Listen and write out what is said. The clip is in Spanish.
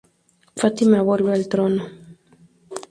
Fátima vuelve al trono.